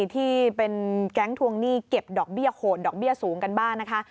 ที่เป็นแก๊งทวงหนี้เก็บดอกเบี้ยโหดดอกเบี้ยสูงกันบ้างนะคะ